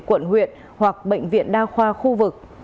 quận huyện hoặc bệnh viện đa khoa khu vực